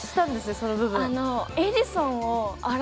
その部分。